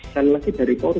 saya lagi dari polri